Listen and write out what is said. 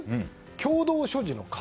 共同所持の壁。